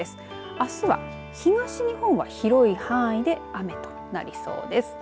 あすは東日本は広い範囲で雨となりそうです。